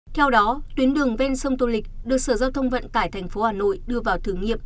theo đó tuyến đường ven sông tô lịch được sở giao thông vận tải thành phố hà nội đưa vào thử nghiệm